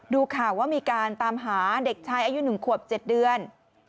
ดูข่าวว่ามีการตามหาเด็กชายอายุ๑ขวบ๗เดือน